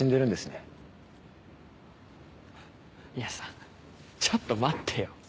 いやさちょっと待ってよ。